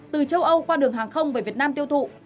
từ châu âu qua đường hàng không về việt nam tiêu thụ